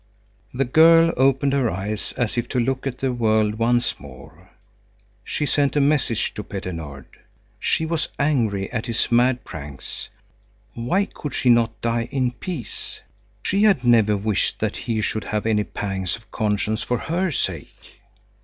The girl opened her eyes as if to look at the world once more. She sent a message to Petter Nord. She was angry at his mad pranks. Why could she not die in peace? She had never wished that he should have any pangs of conscience for her sake.